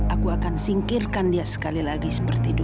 aku akan singkirkan dia sekali lagi seperti dia